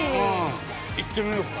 ◆行ってみようか？